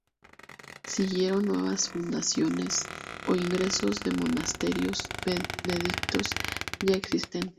Siguieron nuevas fundaciones o ingresos de monasterios benedictinos ya existentes.